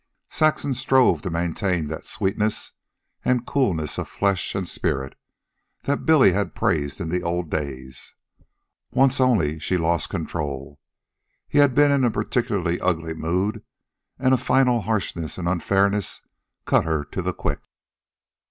Saxon strove to maintain that sweetness and coolness of flesh and spirit that Billy had praised in the old days. Once, only, she lost control. He had been in a particularly ugly mood, and a final harshness and unfairness cut her to the quick.